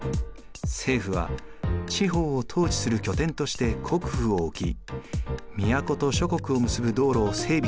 政府は地方を統治する拠点として国府を置き都と諸国を結ぶ道路を整備しました。